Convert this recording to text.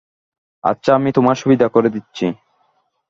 আচ্ছা, আমি তোমার সুবিধা করে দিচ্ছি।